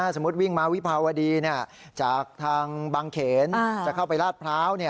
สมมุติวิ่งมาวิภาวดีจากทางบางเขนจะเข้าไปลาดพร้าว